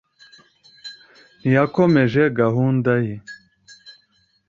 ntiyakomeje gahunda ye.